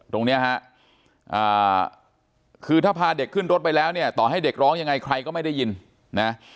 ตรงนี้ฮะคือถ้าพาเด็กขึ้นรถไปแล้วเนี่ยต่อให้เด็กร้องยังไงใครก็ไม่ได้ยินนะ